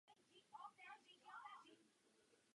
Tak Řecku nepomůžeme.